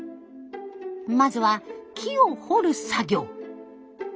まずは木を彫る作業。